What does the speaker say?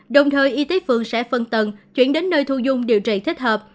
đồng thời y tế phường sẽ phân tầng chuyển đến nơi thu dung điều trị thích hợp